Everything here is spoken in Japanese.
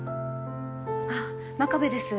あっ真壁です。